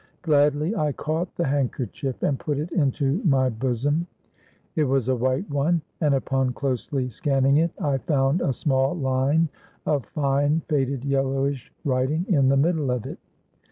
Gladly I caught the handkerchief, and put it into my bosom. It was a white one; and upon closely scanning it, I found a small line of fine faded yellowish writing in the middle of it.